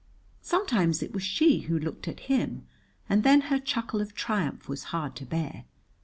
Sometimes it was she who looked at him, and then her chuckle of triumph was hard to bear.